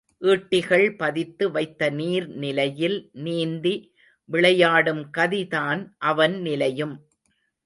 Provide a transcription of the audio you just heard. ஈட்டிகள் பதித்து வைத்த நீர் நிலையில் நீந்தி விளையாடும் கதி தான் அவன் நிலையும்.